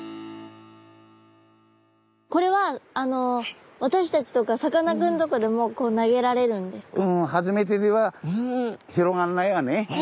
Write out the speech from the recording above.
これは私たちとかさかなクンとかでもこう投げられるんですか？